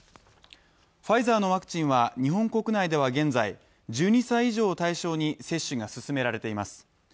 ファイザーのワクチンは、日本国内では現在、１２歳以上を対象に接種が進められています。